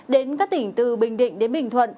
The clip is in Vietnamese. đến các tỉnh từ bình định đến bình thuận